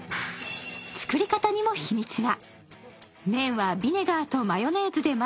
作り方にも秘密が。